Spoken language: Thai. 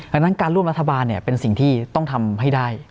ดังนั้นการร่วมรัฐบาลเป็นสิ่งที่ต้องทำให้ได้